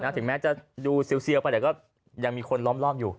ถึงแม้จะดูเซียวเพราะเดี๋ยวก็ยังมีคนล้อมอยู่